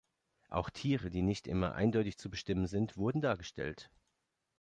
Auch Tiere, die nicht immer eindeutig zu bestimmen sind, wurden dargestellt.